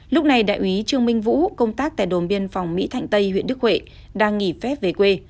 lúc này đại úy trương minh vũ công tác tại đồn biên phòng mỹ thạnh tây huyện đức huệ đang nghỉ phép về quê